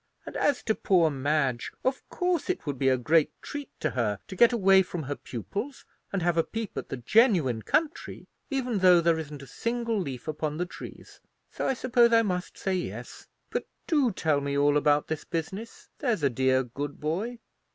And as to poor Madge, of course it would be a great treat to her to get away from her pupils and have a peep at the genuine country, even though there isn't a single leaf upon the trees. So I suppose I must say yes. But do tell me all about this business, there's a dear good boy."